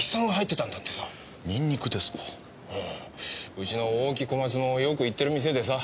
うちの大木小松もよく行ってる店でさ。